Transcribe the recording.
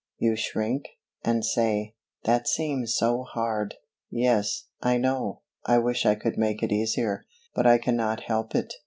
You shrink, and say, "That seems so hard." Yes, I know; I wish I could make it easier, but I cannot help it.